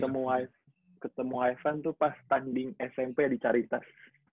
ketemu haifan tuh pas tanding smp di caritas